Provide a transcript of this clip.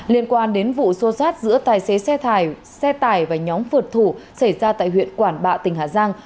liên quan đến vụ xô xát giữa tài xế xe tải và nhóm phượt thủ xảy ra tại huyện quản bạ tỉnh hà giang